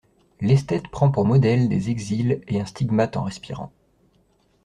L'esthète prend pour modèles des exils et un stigmate en respirant.